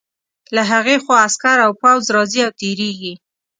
له هغې خوا عسکر او پوځ راځي او تېرېږي.